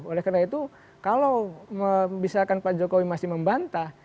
oleh karena itu kalau misalkan pak jokowi masih membantah